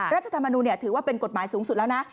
รัฐธรรมนูลถือว่าเป็นกฎหมายสูงสุดแล้วนะ